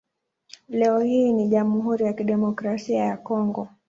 Leo hii ni Jamhuri ya Kidemokrasia ya Kongo.